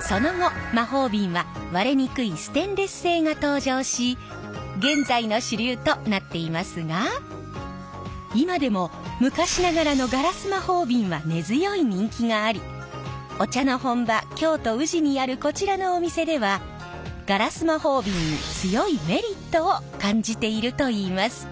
その後魔法瓶は割れにくいステンレス製が登場し現在の主流となっていますが今でも昔ながらのガラス魔法瓶は根強い人気がありお茶の本場京都・宇治にあるこちらのお店ではガラス魔法瓶に強いメリットを感じているといいます。